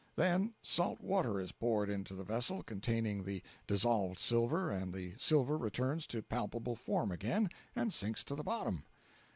Then salt water is poured into the vessel containing the dissolved silver and the silver returns to palpable form again and sinks to the bottom.